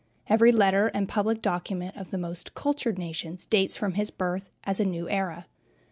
Every letter and public document of the most cultured nations dates from his birth, as a new era.